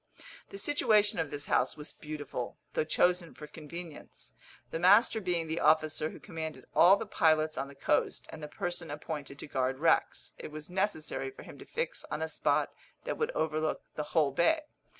The situation of this house was beautiful, though chosen for convenience. The master being the officer who commanded all the pilots on the coast, and the person appointed to guard wrecks, it was necessary for him to fix on a spot that would overlook the whole bay.